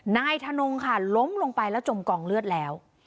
นายทนงค่ะล้มลงไปแล้วจมกองเลือดแล้ว